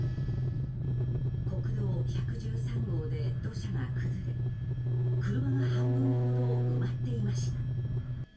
国道１１３号で土砂が崩れ車が半分ほど埋まっていました。